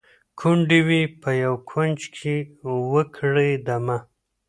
ګوندي وي په یوه کونج کي وکړي دمه